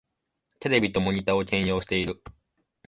テレビとモニタを兼用してる